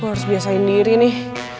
aku harus biasain diri nih